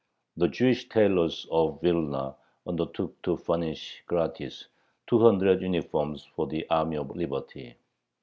The Jewish tailors of Vilna undertook to furnish gratis two hundred uniforms for the army of liberty.